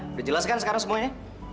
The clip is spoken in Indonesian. udah jelas kan sekarang semua ini